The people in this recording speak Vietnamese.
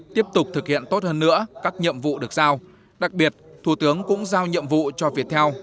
tiếp tục thực hiện tốt hơn nữa các nhiệm vụ được giao đặc biệt thủ tướng cũng giao nhiệm vụ cho viettel